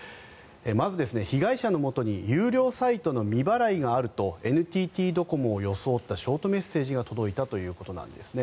まず、被害者のもとに有料サイトの未払いがあるとＮＴＴドコモを装ったショートメッセージが届いたということなんですね。